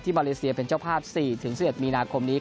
มาเลเซียเป็นเจ้าภาพ๔๑๑มีนาคมนี้